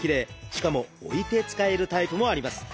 しかも置いて使えるタイプもあります。